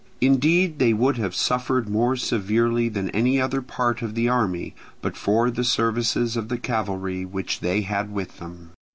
Indeed they would have suffered more severely than any other part of the army, but for the services of the cavalry which they had with them.